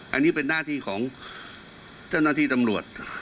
อันนี้เป็นหน้าที่ของเจ้าหน้าที่ตำรวจ